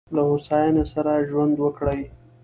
له هوساینې سره ژوند وکړئ.